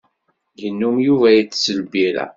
Yennum Yuba itess lbirra.